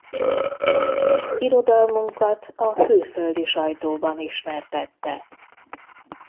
Irodalmunkat a külföldi sajtóban ismertette.